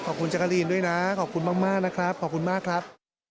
ขอบคุณจักรีนด้วยนะขอบคุณมากนะครับขอบคุณมากครับ